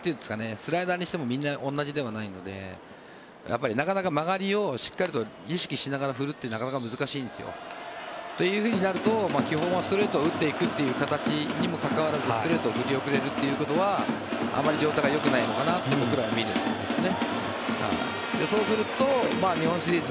スライダーにしてもみんな同じではないのでやっぱりなかなか曲がりをしっかり意識しながら振るってなかなか難しいんですよ。というふうになると基本はストレートを打っていくという形になるにもかかわらずストレートに振り遅れるとあまり状態がよくないのかなって僕らは見るんですね。